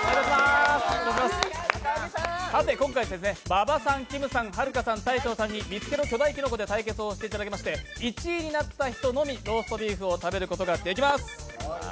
今回、馬場さん、きむさん、はるかさん、大昇さんに「みつけろ！巨大キノコ」で対決をしていただきまして１位になった人のみローストビーフを食べることができます。